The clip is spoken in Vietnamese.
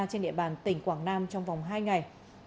trên địa bàn tỉnh quảng nam trong vòng hai ngày